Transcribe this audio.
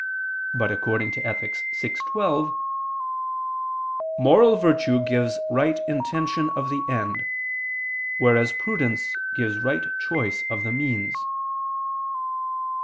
But according to Ethic. vi, 12, "moral virtue gives right intention of the end; whereas prudence gives right choice of the means."